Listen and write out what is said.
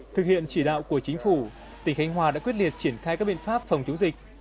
thực hiện chỉ đạo của chính phủ tỉnh khánh hòa đã quyết liệt triển khai các biện pháp phòng chống dịch